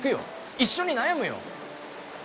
一緒に悩むよ！